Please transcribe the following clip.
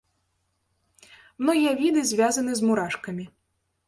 Многія віды звязаны з мурашкамі.